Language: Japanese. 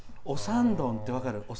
おさんどんって分かる？